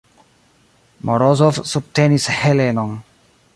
Morozov subtenis Helenon.